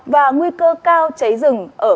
và nguy cơ cao cháy rừng